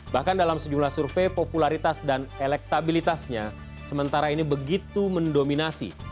bahkan dalam sejumlah survei popularitas dan elektabilitasnya sementara ini begitu mendominasi